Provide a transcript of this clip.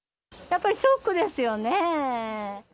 やっぱりショックですよね。